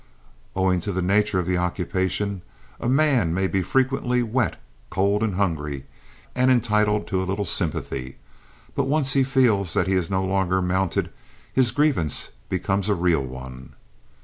Owing to the nature of the occupation, a man may be frequently wet, cold, and hungry, and entitled to little sympathy; but once he feels that he is no longer mounted, his grievance becomes a real one.